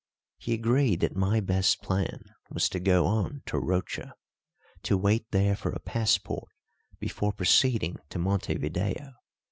He agreed that my best plan was to go on to Rocha to wait there for a passport before proceeding to Montevideo.